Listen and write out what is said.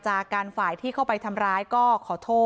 ด้วยเหตุผลอะไรก็แล้วแต่ก็ทำร้ายกันแบบนี้ไม่ได้